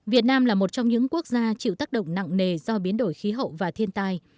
việt nam là một trong những quốc gia chịu tác động nặng nề do biến đổi khí hậu và thiên tai